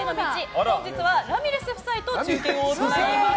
本日はラミレス夫妻と中継をつないでおります。